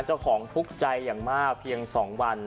เจ้าของทุกข์ใจอย่างมากเพียง๒วัน